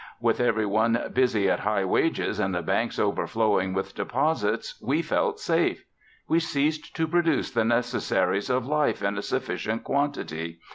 "With every one busy at high wages, and the banks overflowing with deposits, we felt safe. We ceased to produce the necessaries of life in a sufficient quantity.